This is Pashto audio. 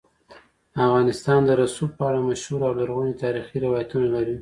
افغانستان د رسوب په اړه مشهور او لرغوني تاریخی روایتونه لري.